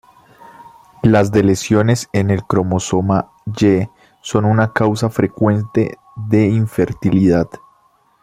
Las deleciones en el cromosoma Y son una causa frecuente de infertilidad.